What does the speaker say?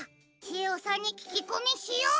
ちえおさんにききこみしよう！